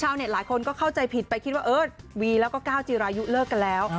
หลายคนก็เข้าใจผิดไปคิดว่าเออวีแล้วก็ก้าวจีรายุเลิกกันแล้ว